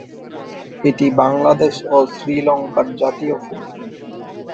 এটি বাংলাদেশ ও শ্রীলংকার জাতীয় ফুল।